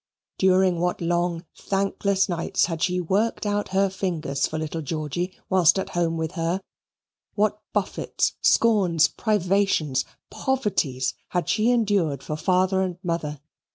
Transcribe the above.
During what long thankless nights had she worked out her fingers for little Georgy whilst at home with her; what buffets, scorns, privations, poverties had she endured for father and mother!